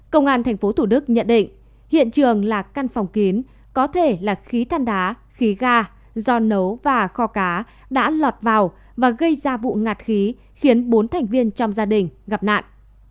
công an tp thủ đức nhận định hiện trường là căn phòng kín có thể là khí than đá khí ga do nấu và kho cá đã lọt vào và gây ra vụ ngạt khí khiến bốn thành viên trong gia đình gặp nạn